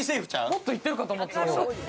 もっといってるかと思った。